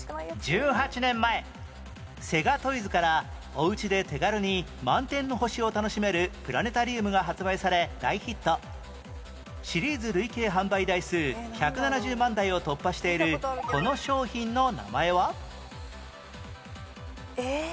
１８年前セガトイズからお家で手軽に満天の星を楽しめるプラネタリウムが発売され大ヒットシリーズ累計販売台数１７０万台を突破しているこの商品の名前は？えっ？